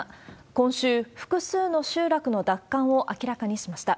今週、複数の集落の奪還を明らかにしました。